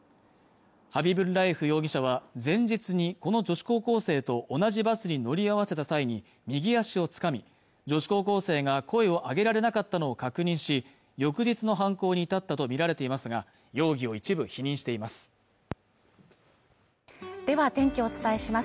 ハビブッラエフ容疑者は前日にこの女子高校生と同じバスに乗り合わせた際に右足をつかみ女子高校生が声を上げられなかったのを確認し翌日の犯行に至ったとみられていますが容疑を一部否認していますでは天気をお伝えします